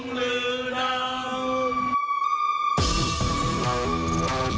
สวัสดีครับทุกคน